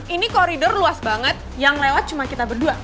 ini koridor luas banget yang lewat cuma kita berdua